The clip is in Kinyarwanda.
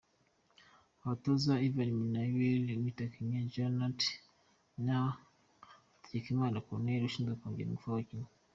Abatoza: Ivan Minaert, Witakenge Jannot na Hategekimana Corneille ushinzwe kongerera ingufu abakinnyi.